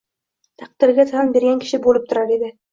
taqdirga tan bergan kishi bo‘lib turar edi.